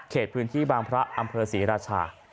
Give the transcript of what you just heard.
พื้นที่บางพระอำเภอศรีราชา